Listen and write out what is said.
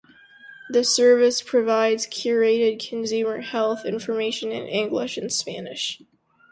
The service provides curated consumer health information in English and Spanish.